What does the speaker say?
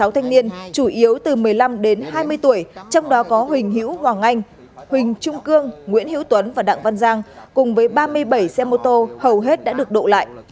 sáu thanh niên chủ yếu từ một mươi năm đến hai mươi tuổi trong đó có huỳnh hữu hoàng anh huỳnh trung cương nguyễn hữu tuấn và đặng văn giang cùng với ba mươi bảy xe mô tô hầu hết đã được đổ lại